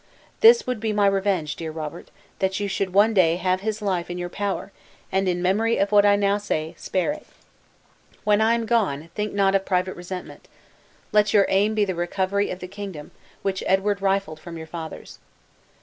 This would be my revenge, dear Robert, that you should one day have his life in your power, and in memory of what I now say, spare it. When I am gone, think not of private resentment. Let your aim be the recovery of the kingdom, which Edward rifled from your fathers.